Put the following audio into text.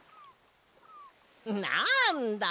なんだ！